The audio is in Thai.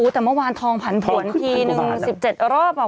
แต่เมื่อวานทองผันผวนทีนึง๑๗รอบ